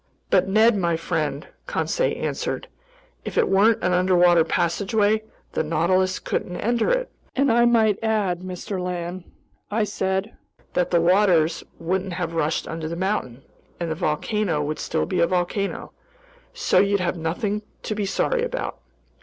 "But Ned my friend," Conseil answered, "if it weren't an underwater passageway, the Nautilus couldn't enter it!" "And I might add, Mr. Land," I said, "that the waters wouldn't have rushed under the mountain, and the volcano would still be a volcano. So you have nothing to be sorry about."